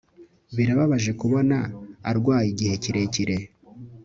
Birababaje kubona arwaye igihe kirekire